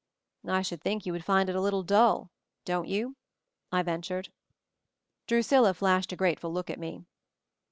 "I should think you would find it a little dull — don't you?" I ventured. Drusilla flashed a grateful look at me.